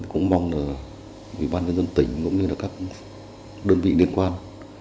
cũng mong là bệnh viện tỉnh cũng như các đơn vị liên quan